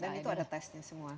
dan itu ada tesnya semua